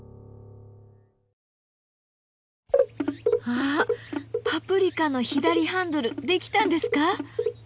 あっパプリカの左ハンドル出来たんですか？